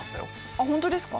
あっ本当ですか？